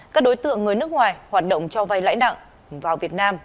các đối tượng người nước ngoài hoạt động cho vay lãi nặng vào việt nam